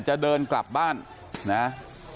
จะเดินกลับบ้านนะ